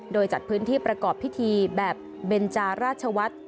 โดยจัดพื้นที่ประกอบพิธีแบบเบนจาราชวัฒน์